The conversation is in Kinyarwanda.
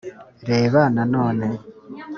Reba nanone